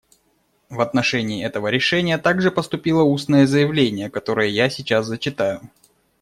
В отношении этого решения также поступило устное заявление, которое я сейчас зачитаю.